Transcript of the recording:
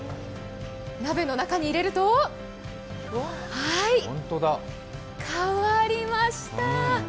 鍋の中に入れると、はい、変わりました。